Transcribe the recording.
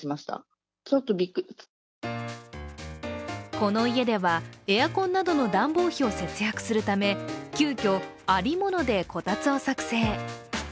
この家では、エアコンなどの暖房費を節約するため急きょ、ありものでこたつを作製。